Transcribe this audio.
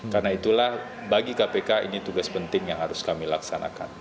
karena itulah bagi kpk ini tugas penting yang harus kami laksanakan